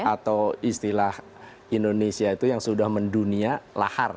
atau istilah indonesia itu yang sudah mendunia lahar